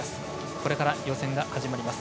これから予選が始まります。